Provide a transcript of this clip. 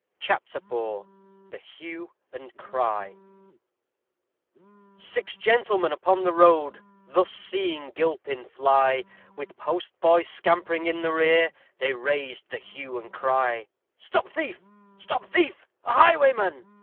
CHAPTER IV THE HUE AND CRY Six gentlemen upon the road Thus seeing Gilpin fly, With postboy scampering in the rear, They raised the hue and cry: Stop thief! stop thief! a highwayman!